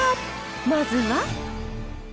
まずは。